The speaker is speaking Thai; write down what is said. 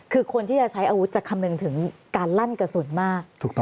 คือคนที่จะใช้อาวุธจะคำนึงถึงการลั่นกระสุนมาก